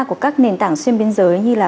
của các nền tảng xuyên biên giới như là